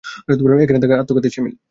এখানে থাকা আত্মঘাতির শামিল।